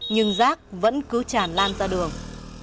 nhưng rác vẫn cứ chản lan ra đường